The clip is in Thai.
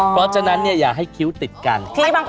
เพราะฉะนั้นอย่าให้คิ้วติดกัน